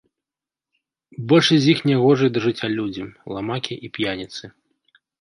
Большасць з іх нягожыя да жыцця людзі, ламакі і п'яніцы.